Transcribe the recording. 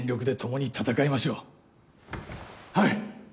はい！